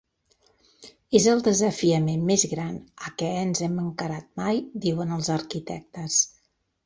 És el desafiament més gran a què ens hem encarat mai, diuen els arquitectes.